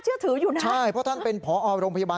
แล้วก็เรียกเพื่อนมาอีก๓ลำ